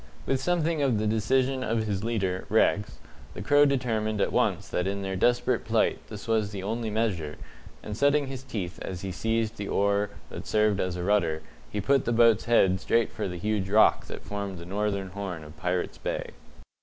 With something of the decision of his leader, Rex, the Crow determined at once that in their desperate plight this was the only measure, and setting his teeth as he seized the oar that served as a rudder, he put the boat's head straight for the huge rock that formed the northern horn of Pirates' Bay.